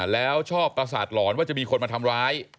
แล้วชอบประสาทหลอนว่าจะมีคนมาทำร้าย